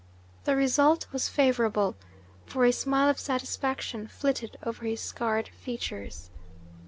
The result was favourable, for a smile of satisfaction flitted over his scarred features.